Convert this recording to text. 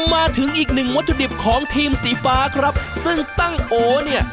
มาถึงอีกหนึ่งวัตถุดิบของทีมสีฟ้าครับซึ่งตั้งโอเนี่ย